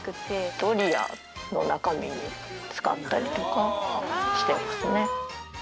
ドリアの中身に使ったりとかしてますね。